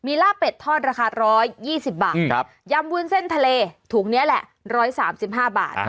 ลาบเป็ดทอดราคา๑๒๐บาทยำวุ้นเส้นทะเลถุงนี้แหละ๑๓๕บาท